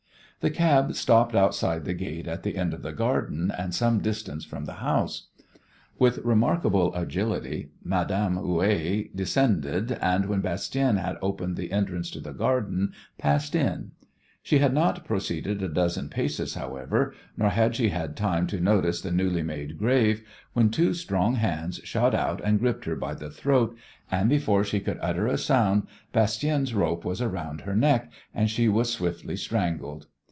The cab stopped outside the gate at the end of the garden and some distance from the house. With remarkable agility Madame Houet descended, and when Bastien had opened the entrance to the garden passed in. She had not proceeded a dozen paces, however, nor had she had time to notice the newly made grave, when two strong hands shot out and gripped her by the throat, and before she could utter a sound Bastien's rope was around her neck, and she was swiftly strangled.